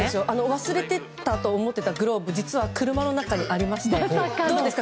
忘れてたと思っていたグローブが実は、車の中にありましたよね。